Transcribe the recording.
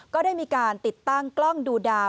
ก็ได้มีการติดตั้งกล้องดูดาว